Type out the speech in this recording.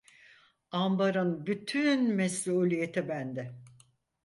Ambarın bütün mesuliyeti bende…